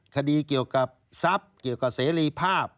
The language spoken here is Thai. คดีเกี่ยวกับทรัพย์เกี่ยวกับเสรีภาพ